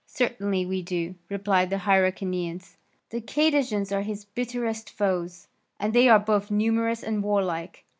"Certainly we do," replied the Hyrcanian, "the Cadousians are his bitterest foes, and they are both numerous and warlike.